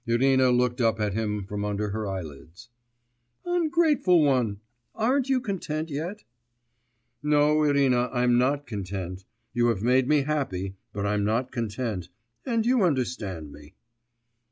Irina looked up at him from under her eyelids. 'Ungrateful one! aren't you content yet?' 'No, Irina, I'm not content. You have made me happy, but I'm not content, and you understand me.